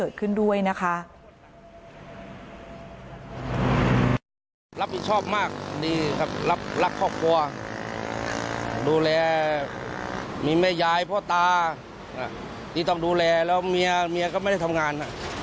ดูแลมีแม่ยายพ่อตานี่ต้องดูแลแล้วเมียก็ไม่ได้ทำงาน